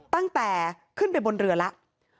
ตั้งแต่ขึ้นไปบนเรือแล้ว